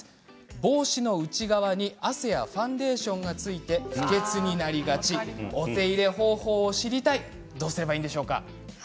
帽子の内側に汗やファンデーションがついて不潔になりがち、お手入れ方法を知りたいどうすればいいでしょうか。